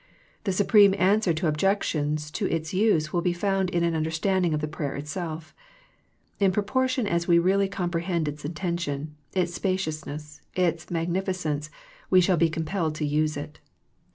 The supreme answer to objec tions to its use will be found in an understanding of the prayer itself. In proportion as we really comprehend its intention, its spaciousness, its magnificence we shall be compelled to use it.